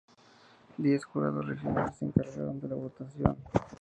Diez jurados regionales se encargaron de la votación.